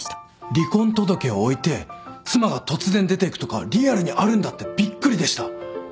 離婚届を置いて妻が突然出ていくとかリアルにあるんだってびっくりでした。